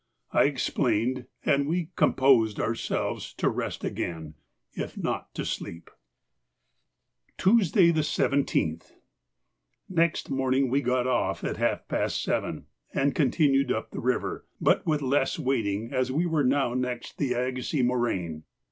I explained, and we composed ourselves to rest again, if not to sleep. Tuesday, the 17th.—Next morning we got off at half past seven and continued up the river, but with less wading as we were now next the Agassiz moraine.